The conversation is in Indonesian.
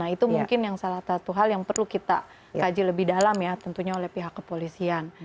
itu mungkin yang salah satu hal yang perlu kita kaji lebih dalam ya tentunya oleh pihak kepolisian